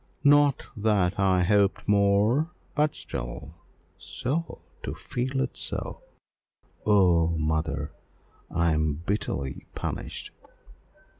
"Not that I hoped more, but still still to feel it so! Oh! mother, I am bitterly punished."